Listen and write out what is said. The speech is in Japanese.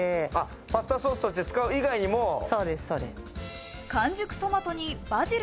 パスタソースとして使う以外にも活用法がある。